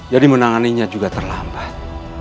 jadi menanganinya juga terlambat